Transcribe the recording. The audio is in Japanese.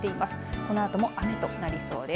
このあとも雨となりそうです。